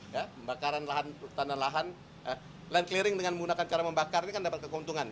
ya pembakaran lahan hutan dan lahan land clearing dengan menggunakan cara membakar ini kan dapat keuntungan